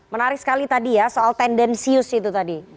menarik sekali tadi ya soal tendensius itu tadi